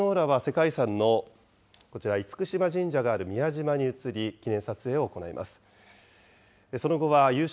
このあと首脳らは、世界遺産のこちら、厳島神社がある宮島に移り、記念撮影を行います。